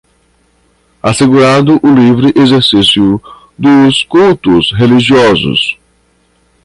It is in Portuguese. assegurado o livre exercício dos cultos religiosos